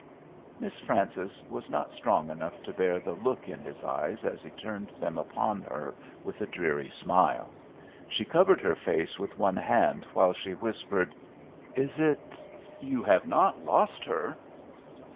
Miss Frances was not strong enough to bear the look in his eyes as he turned them upon her, with a dreary smile. She covered her face with one hand, while she whispered, "Is it you have not lost her?"